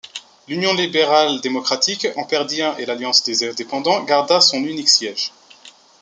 L'Union libérale-démocratique en perdit un et l'Alliance des Indépendants garda son unique siège.